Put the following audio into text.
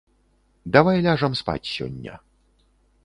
Давай ляжам спаць сёння.